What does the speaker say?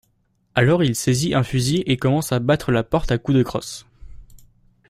Alors il saisit un fusil et commence à battre la porte à coups de crosse.